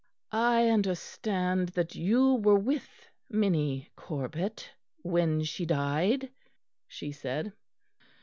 "I understand that you were with Minnie Corbet when she died," she said.